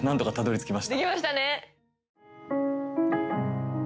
できましたね！